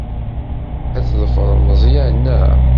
Ad tḍefreḍ Meẓyan, naɣ?